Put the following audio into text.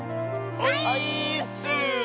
オイーッス！